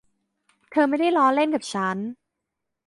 เธอไม่ได้ล้อเล่นกับฉัน